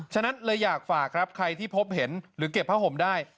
ฉะนั้นเลยอยากฝากครับใครที่พบเห็นหรือเก็บผ้าห่มได้